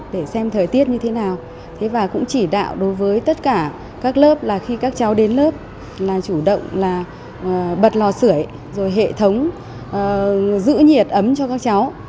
để xem thời tiết như thế nào và cũng chỉ đạo đối với tất cả các lớp là khi các cháu đến lớp là chủ động là bật lò sửa rồi hệ thống giữ nhiệt ấm cho các cháu